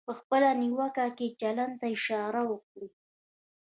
په خپله نیوکه کې چلند ته اشاره وکړئ.